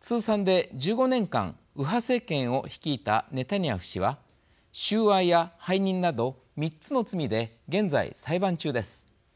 通算で１５年間右派政権を率いたネタニヤフ氏は収賄や背任など３つの罪で現在、裁判中です。